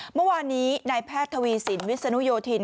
เมื่อวานนี้นายแพทย์ทวีสินวิศนุโยธิน